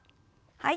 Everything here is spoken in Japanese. はい。